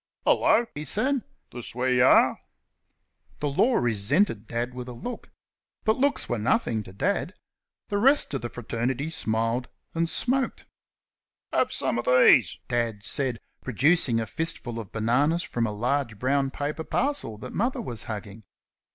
"Hello!" he said, "this where y' are?" The Law resented Dad with a look. But looks were nothing to Dad. The rest of the fraternity smiled and smoked. "Have some o' these," Dad said, producing a fistful of bananas from a large brown paper parcel that Mother was hugging.